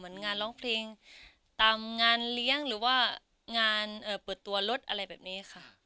งานร้องเพลงตามงานเลี้ยงหรือว่างานเปิดตัวรถอะไรแบบนี้ค่ะ